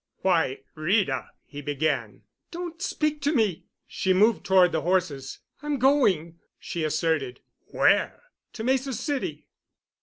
"Why, Rita——" he began. "Don't speak to me——" She moved toward the horses. "I'm going," she asserted. "Where?" "To Mesa City."